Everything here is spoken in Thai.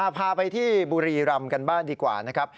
พาไปที่บุรีรำกันบ้างดีกว่านะครับ